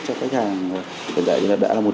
các khách hàng hiện tại thì đã là một trăm linh